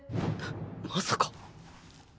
まさか！